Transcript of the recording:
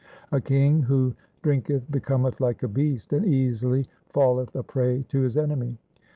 A king who drinketh becometh like a beast, and easily falleth a prey to his enemy.